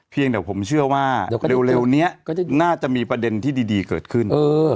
เพียงแต่ผมเชื่อว่าเร็วนี้น่าจะมีประเด็นที่ดีเกิดขึ้น